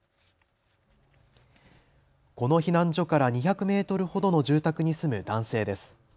この避難所から２００メートルほどの住宅に住む男性です。